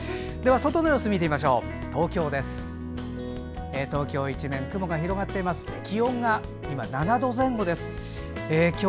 外の様子見てみましょう。